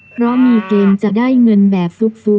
เพราะมีเกณฑ์จะได้เงินแบบซุก